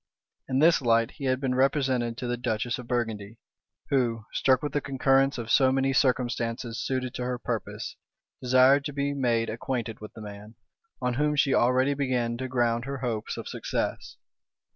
In this light he had been represented to the duchess of Burgundy, who, struck with the concurrence of so many circumstances suited to her purpose, desired to be made acquainted with the man, on whom she already began to ground her hopes of success.